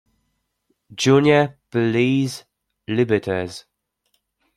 Junior Biellese Libertas.